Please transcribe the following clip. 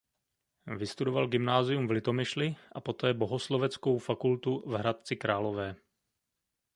Vystudoval gymnázium v Litomyšli a poté bohosloveckou fakultu v Hradci Králové.